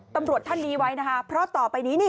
ตำรวจท่านนี้ไว้นะคะเพราะต่อไปนี้นี่